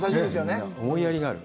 思いやりがある。